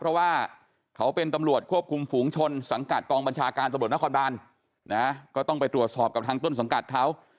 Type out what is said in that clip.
เพราะว่าเขาเป็นตำรวจควบคุมฝูงชนสังกัดกองบัญชาการตำรวจนครบานนะก็ต้องไปตรวจสอบกับทางต้นสังกัดเขา